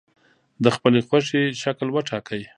د خپلې خوښې شکل وټاکئ.